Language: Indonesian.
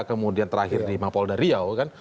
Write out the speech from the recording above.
kemudian terakhir di mapol dari riau kan